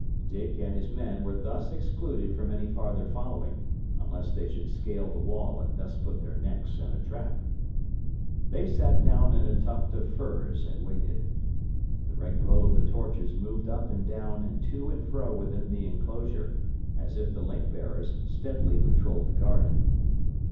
Dick and his men were thus excluded from any farther following, unless they should scale the wall and thus put their necks in a trap. They sat down in a tuft of furze and waited. The red glow of the torches moved up and down and to and fro within the enclosure, as if the link bearers steadily patrolled the garden.